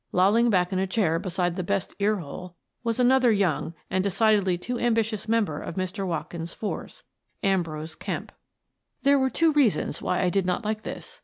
Lolling back in a chair beside the best ear hole was another young and decidedly too ambitious member of Mr. Watkins's force: Ambrose Kemp. There were two reasons why I did not like this.